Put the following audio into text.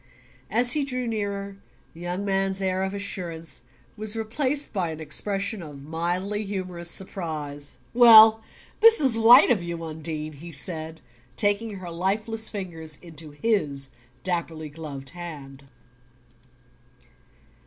As he drew nearer, the young man's air of assurance was replaced by an expression of mildly humorous surprise. "Well this is white of you. Undine!" he said, taking her lifeless fingers into his dapperly gloved hand.